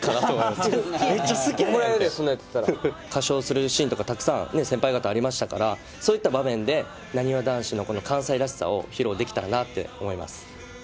歌唱するシーンとかたくさん、先輩たちありましたから、そういった場面で、なにわ男子のこの関西らしさを披露できたらなと思います。